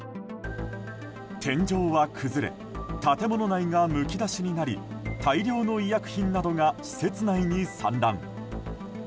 天井は崩れ建物内がむき出しになり大量の医薬品などが施設内に散乱。